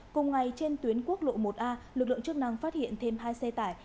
cùng ngày trên tuyến quốc lộ một a lực lượng chức năng phát hiện thêm hai xe tải